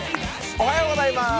おはようございます。